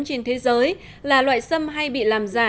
trên thế giới là loại xâm hay bị làm giả